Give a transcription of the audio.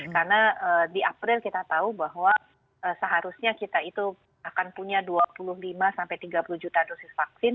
karena di april kita tahu bahwa seharusnya kita itu akan punya dua puluh lima tiga puluh juta dosis vaksin